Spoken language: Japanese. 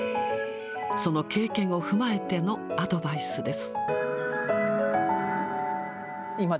その経験を踏まえてのアドバイスです。